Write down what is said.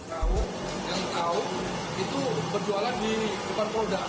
tahu yang tahu itu berjualan di depan polda